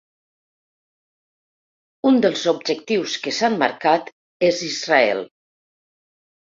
Un dels objectius que s’han marcat és Israel.